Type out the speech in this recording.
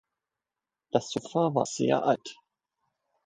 Das Sofa war sehr alt.